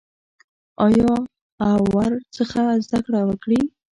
آیا او ورڅخه زده کړه وکړي؟